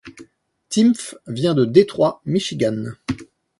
Timpf vient de Detroit, Michigan.